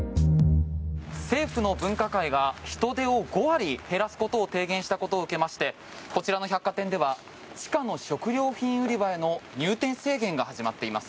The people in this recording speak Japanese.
政府の分科会が人出を５割減らすことを提言したことを受けましてこちらの百貨店では地下の食料品売り場への入店制限が始まっています。